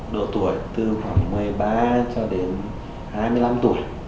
độ tuổi từ khoảng một mươi ba cho đến hai mươi năm tuổi